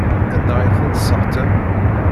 Anda ay tent-tesseɣtam?